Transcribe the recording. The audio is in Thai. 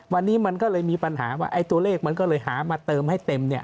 วันนี้มันก็เลยมีปัญหาว่าไอ้ตัวเลขมันก็เลยหามาเติมให้เต็มเนี่ย